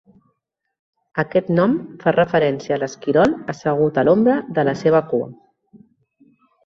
Aquest nom fa referència a l'esquirol assegut a l'ombra de la seva cua.